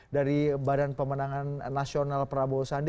dari badan pemenangan nasional prabowo sandi